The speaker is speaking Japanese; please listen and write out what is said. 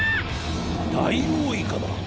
ダイオウイカだ！